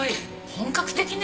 本格的ね。